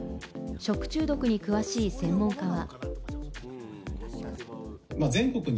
食中毒に詳しい専門家は。